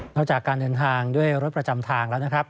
จากการเดินทางด้วยรถประจำทางแล้วนะครับ